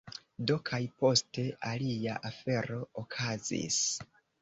Do, kaj poste, alia afero okazis: